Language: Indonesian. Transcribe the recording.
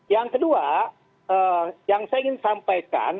yang kedua yang saya ingin sampaikan